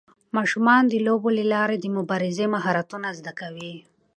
ماشومان د لوبو له لارې د مبارزې مهارتونه زده کوي.